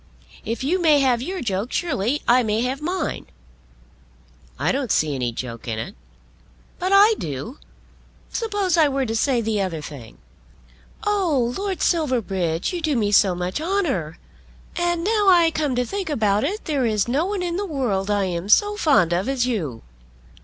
If you may have your joke surely I may have mine." "I don't see any joke in it." "But I do. Suppose I were to say the other thing. Oh, Lord Silverbridge, you do me so much honour! And now I come to think about it, there is no one in the world I am so fond of as you.